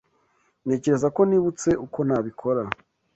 Ntekereza ko nibutse uko nabikora.